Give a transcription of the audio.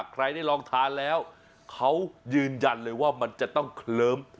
ใครได้ลองทานแล้วเขายืนยันเลยว่ามันจะต้องเคลิ้ม